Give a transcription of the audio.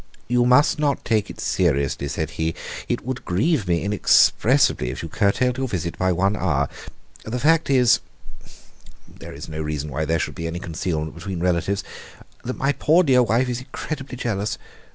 "You must not take it seriously," said he. "It would grieve me inexpressibly if you curtailed your visit by one hour. The fact is there is no reason why there should be any concealment between relatives that my poor dear wife is incredibly jealous.